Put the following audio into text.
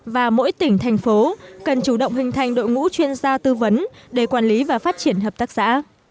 và mỗi tỉnh thành phố cần chủ động hình thành đội ngũ chuyên gia tư vấn để quản lý và phát triển hợp tác xã